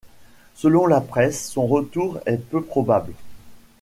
Selon la presse, son retour est peu probable.